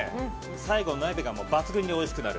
最後、鍋が抜群においしくなる。